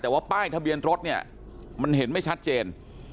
แต่ว่าป้ายทะเบียนรถเนี่ยมันเห็นไม่ชัดเจน